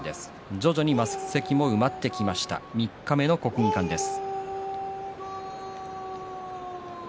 徐々に升席も埋まってきました三日目の国技館です。